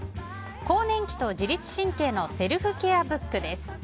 更年期と自律神経のセルフケアＢＯＯＫです。